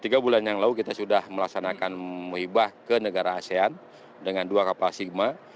tiga bulan yang lalu kita sudah melaksanakan muhibah ke negara asean dengan dua kapal sigma